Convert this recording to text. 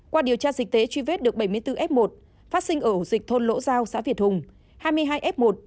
qua điều tra dịch tễ truy vết được bảy mươi bốn f một phát sinh ổ dịch thôn lỗ giao xã việt hùng hai mươi hai f một